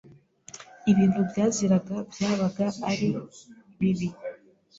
Ibintu byaziraga byabaga ari bibi